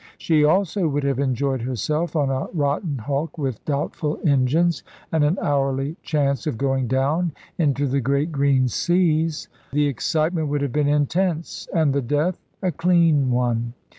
She also would have enjoyed herself on a rotten hulk with doubtful engines and an hourly chance of going down into the great green seas; the excitement would have been intense, and the death a clean one.